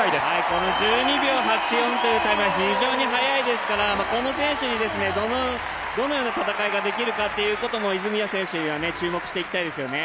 この１２秒８４というタイムは非常に速いですからこの選手にどのような戦いができるかということも泉谷選手には注目していきたいですね。